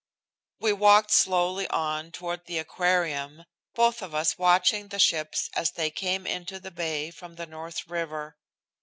We walked slowly on toward the Aquarium, both of us watching the ships as they came into the bay from the North river.